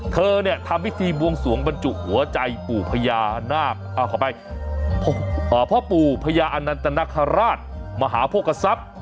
เธอเนี่ยทำวิธีบวงสวงบรรจุหัวใจปู่พยานาคอ่ะขอไปพ่อปู่พยานัตนคราชมหาพกษัพ